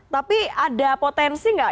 tapi ada potensi nggak